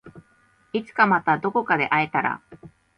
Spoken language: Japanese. いつかまたどこかで会えたら